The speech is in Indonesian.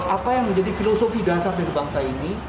apa yang menjadi filosofi dasar dari bangsa ini